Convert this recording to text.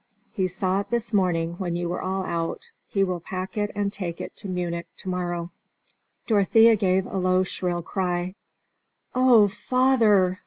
He saw it this morning when you were all out. He will pack it and take it to Munich to morrow." Dorothea gave a low shrill cry: "Oh, father?